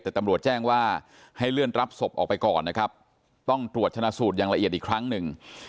แต่ตำรวจแจ้งว่าให้เลื่อนรับศพออกไปก่อนนะครับต้องตรวจชนะสูตรอย่างละเอียดอีกครั้งหนึ่ง